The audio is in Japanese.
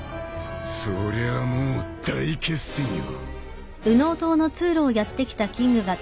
そりゃあもう大決戦よ。